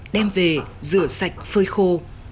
đem về rửa sạch phơi khô